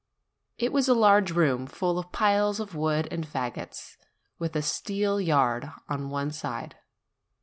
It was a large room, full of piles of wood and fagots, with a steel yard on one side.